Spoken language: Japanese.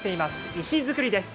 石造りです。